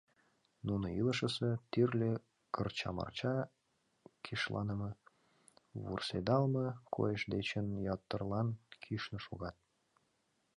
Нуно илышысе тӱрлӧ кырча-марча, кишланыме, вурседалме койыш дечын ятырлан кӱшнӧ шогат.